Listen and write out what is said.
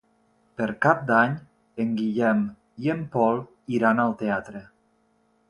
Per Cap d'Any en Guillem i en Pol iran al teatre.